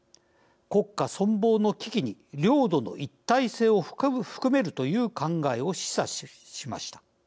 国家存亡の危機に領土の一体性を含めるという考えを示唆しました。